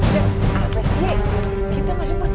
cek apa sih kita masih pertiga nih belum pernah berhenti